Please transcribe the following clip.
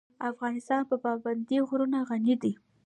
افغانستان په پابندی غرونه غني دی.